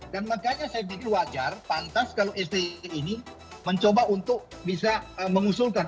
dan makanya saya pikir wajar pantas kalau sd ini mencoba untuk bisa mengusulkan